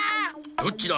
どっちだ？